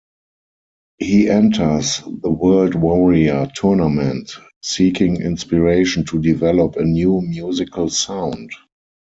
He enters the World Warrior tournament, seeking inspiration to develop a new musical sound.